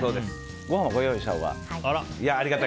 ご飯をご用意したほうが？